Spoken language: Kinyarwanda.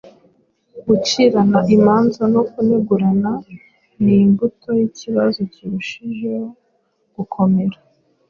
Gucirana imanza no kunegurana ni imbuto y’ikibazo kirushijeho gukomera